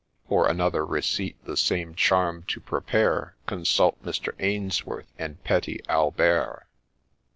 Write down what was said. — (For another receipt the same charm to prepare, Consult Mr. Ainsworth and Petit Albert.)